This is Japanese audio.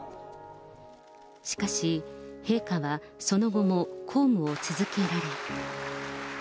しかし、陛下はその後も公務を続けられ。